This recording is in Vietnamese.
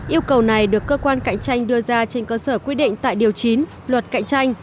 yêu cầu này được cơ quan cạnh tranh đưa ra trên cơ sở quy định tại điều chín luật cạnh tranh